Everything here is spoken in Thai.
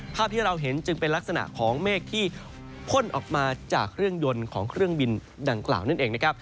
ภาพที่เราเห็นจึงเป็นลักษณะของเมฆที่พ่นออกมาจากเครื่องยนต์ของเครื่องบินดังกล่าวนั่นเองนะครับ